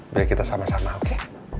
mari kita sama sama oke